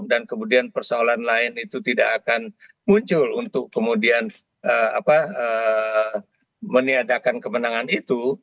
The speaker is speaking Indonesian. dan kemudian persoalan lain itu tidak akan muncul untuk kemudian meniadakan kemenangan itu